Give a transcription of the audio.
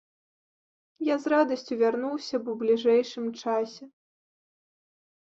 Я з радасцю вярнуўся б ў бліжэйшым часе.